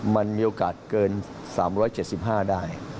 มันมีโอกาสเกิน๓๗๕ได้